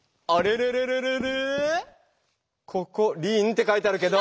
ここ「りん」って書いてあるけど。